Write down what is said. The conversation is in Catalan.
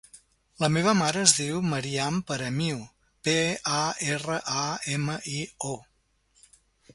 La meva mare es diu Maryam Paramio: pe, a, erra, a, ema, i, o.